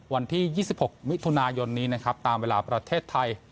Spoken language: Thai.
วันที่๒๖มิถุนายนตามเวลาประเทศไทย